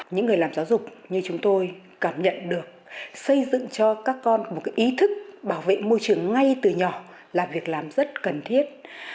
những người làm giáo dục như chúng tôi cảm nhận được xây dựng cho các con một ý thức bảo vệ môi trường ngay từ nhỏ là việc làm rất cần thiết